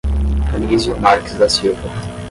Anizio Marques da Silva